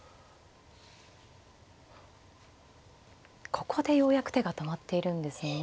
ここでようやく手が止まっているんですが。